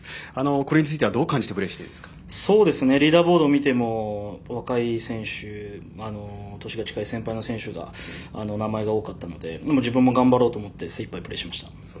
これについてはどう感じてリーダーボード見ても若い選手年が近い先輩の選手が名前が多かったので自分も頑張ろうと思って精いっぱいプレーしました。